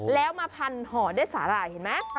แล้วมาพันห่อได้สาระเห็นไหม